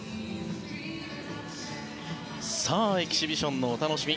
エキシビションのお楽しみ